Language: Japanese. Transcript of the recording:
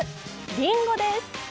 りんごです。